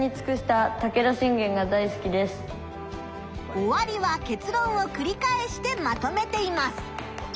おわりは結論をくり返してまとめています。